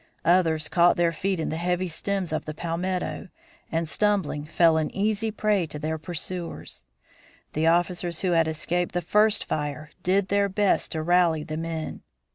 Others caught their feet in the heavy stems of the palmetto and, stumbling, fell an easy prey to their pursuers. The officers who had escaped the first fire did their best to rally the men.